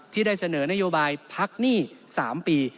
ที่ได้เสนอนโยบายพักหนี้๓ปี